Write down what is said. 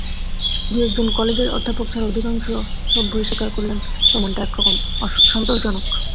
দুই-একজন কলেজের অধ্যাপক ছাড়া অধিকাংশ সভ্যই স্বীকার করলে, প্রমাণটা একরকম সন্তোষজনক।